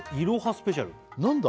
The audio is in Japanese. スペシャル何だ